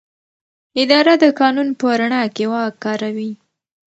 اداره د قانون په رڼا کې واک کاروي.